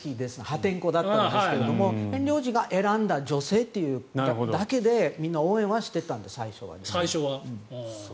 破天荒だったんですがヘンリー王子が選んだ女性というだけでみんな応援はしてたんです最初は。